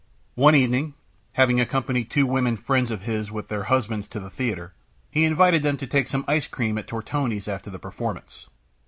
One evening, having accompanied two women friends of his with their husbands to the theatre, he invited them to take some ice cream at Tortoni's after the performance.